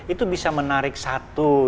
itu bisa menarik satu